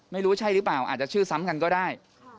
ไม่ใช่หรือเปล่าอาจจะชื่อซ้ำกันก็ได้